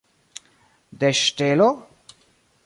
De ŝtelo?